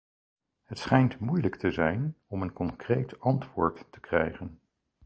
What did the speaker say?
Het schijnt moeilijk te zijn om een concreet antwoord te krijgen.